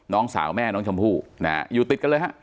น้องสาวแม่น้องชมพู่นะฮะอยู่ติดกันเลยฮะ